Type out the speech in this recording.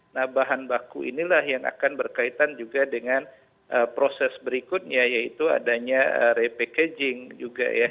nah bahan baku inilah yang akan berkaitan juga dengan proses berikutnya yaitu adanya repackaging juga ya